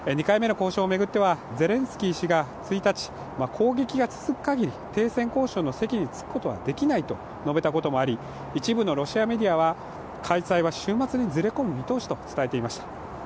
２回目の交渉を巡ってはゼレンスキー氏が１日、攻撃が続くかぎり停戦交渉の席に着くことはできないと述べたこともあり一部のロシアメディアは、開催は週末にずれ込む見通しと伝えていました。